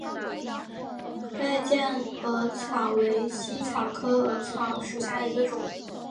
败酱耳草为茜草科耳草属下的一个种。